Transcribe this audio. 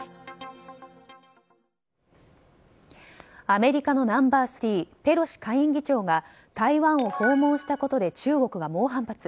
アメリカのナンバー３ペロシ下院議長が台湾を訪問したことで中国が猛反発。